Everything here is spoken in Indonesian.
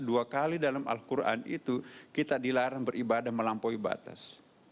dua kali dalam al quran itu kita dilarang beribadah melampaui batas